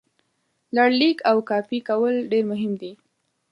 لړلیک او کاپي کول ډېر مهم دي.